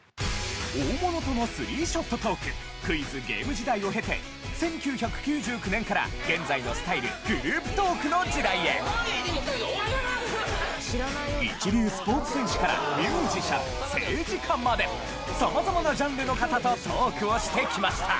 大物との３ショットトーククイズ・ゲーム時代を経て１９９９年から現在のスタイルグループトークの時代へ一流スポーツ選手からミュージシャン政治家まで様々なジャンルの方とトークをしてきました